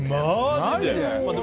マジで？